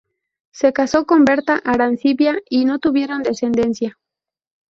Se casó con Berta Arancibia y no tuvieron descendencia.